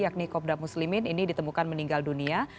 yakni kopda muslimin ini ditemukan meninggal dunia